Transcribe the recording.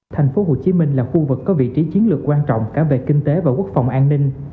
thành phố hồ chí minh là khu vực có vị trí chiến lược quan trọng cả về kinh tế và quốc phòng an ninh